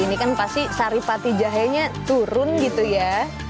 ini kan pasti saripati jahenya turun gitu ya